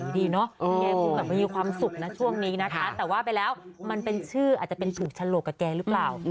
แต่ว่าว่าไปแล้วมันเป็นชื่ออาจจะเป็นสูงชะลกกับเจ๊หรือเปล่า